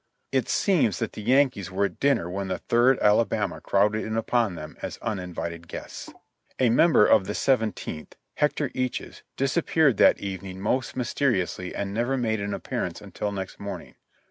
It seems that the Yankees were at dinner when the Third Ala bama crowded in upon them as uninvited guests. A member of the Seventeenth, Hector Eaches, disappeared that evening most mysteriously and never made an appearance until next morning.